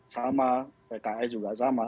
sama pki juga sama